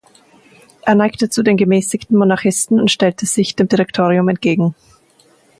Er neigte zu den gemäßigten Monarchisten und stellte sich dem Direktorium entgegen.